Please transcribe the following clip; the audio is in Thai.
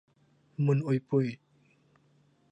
มุ่นอุ้ยปุ้ย